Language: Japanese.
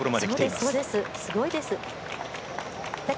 すごいです。